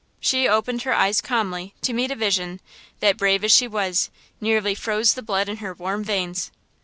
She opened her eyes calmly to meet a vision that brave as she was, nearly froze the blood in her warm veins.